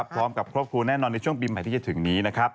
พร้อมกับครอบครัวแน่นอนในช่วงปีใหม่ที่จะถึงนี้นะครับ